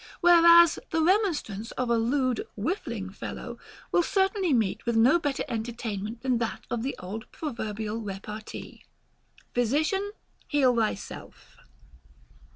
Whereas the remonstrance of a lewd whiffling fellow will certainly meet with no better entertainment than that of the old proverbial repartee, Physician, heal thyself.